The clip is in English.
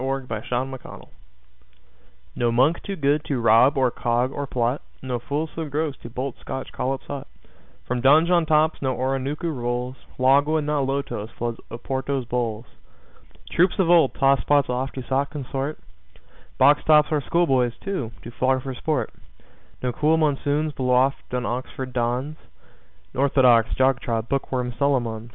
INCONTROVERTIBLE FACTS NO monk too good to rob, or cog, or plot, No fool so gross to bolt Scotch collops hot From Donjon tops no Oronooko rolls. Logwood, not lotos, floods Oporto's bowls. Troops of old tosspots oft to sot consort. Box tops our schoolboys, too, do flog for sport. No cool monsoons blow oft on Oxford dons. Orthodox, jog trot, book worm Solomons!